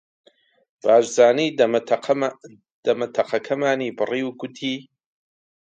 بارزان دەمەتەقەکەمانی بڕی، گوتی: